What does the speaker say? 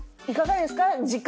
いかがですか？